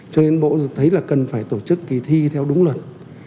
cho nên bộ thấy là cần phải tổ chức kỳ thi theo đúng luật